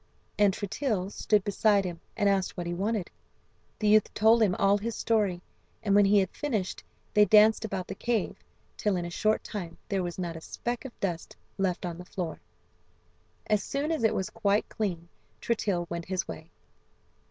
And Tritill stood beside him and asked what he wanted. The youth told him all his story, and when he had finished, the old man said: "Spade and shovel do your duty," and they danced about the cave till, in a short time, there was not a speck of dust left on the floor. As soon as it was quite clean Tritill went his way.